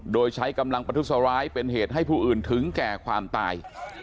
โดยใช้กำลังประทุษร้ายเป็นเหตุให้ผู้อื่นถึงแก่ความตาย